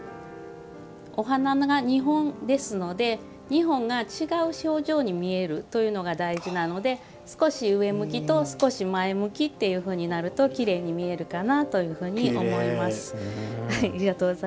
お花が２本ですので２本が違う表情に見えるというのが大事なので、少し上向きと少し前向きというふうになるときれいに見えるかなというふうに思います。